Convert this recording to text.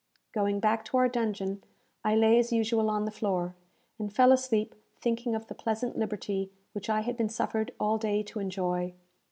Going back to our dungeon, I lay as usual on the floor, and fell asleep thinking of the pleasant liberty which I had been suffered all day to enjoy.